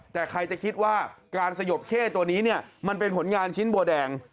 แต่ใครจะคิดว่าการสยบเข้ตัวนี้เนี่ยมันเป็นผลงานชิ้นบัวแดง